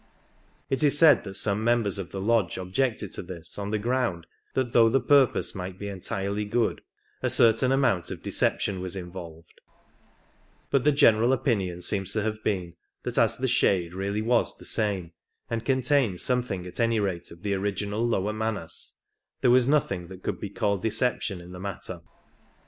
It is said that some members of the lodge objected to this on the ground that though the purpose might be entirely good a certain amount of de ception was involved ; but the general opinion seems to have been that as the shade really was the same, and contained something at any rate of the original lower Manas, there was nothing that could be called deception in the matter.